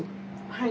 はい。